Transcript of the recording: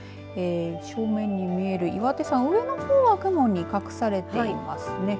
正面に見える岩手山上の方は雲に隠されていますね。